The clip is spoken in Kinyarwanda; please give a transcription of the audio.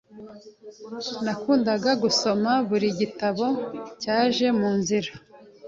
Nakundaga gusoma buri gitabo cyaje munzira.